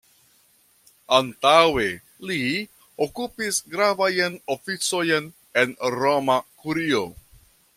Antaŭe li okupis gravajn oficojn en Roma Kurio.